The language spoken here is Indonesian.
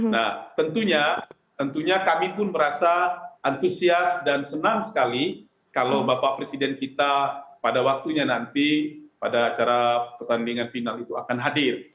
nah tentunya tentunya kami pun merasa antusias dan senang sekali kalau bapak presiden kita pada waktunya nanti pada acara pertandingan final itu akan hadir